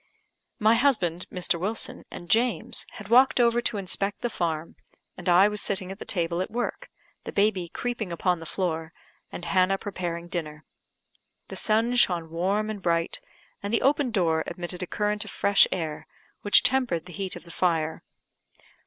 My husband, Mr. Wilson, and James, had walked over to inspect the farm, and I was sitting at the table at work, the baby creeping upon the floor, and Hannah preparing dinner. The sun shone warm and bright, and the open door admitted a current of fresh air, which tempered the heat of the fire.